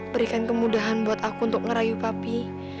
berikan kemudahan buat aku untuk ngerayu papi